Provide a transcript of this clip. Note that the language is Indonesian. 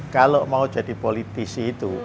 kalau mau jadi politisi itu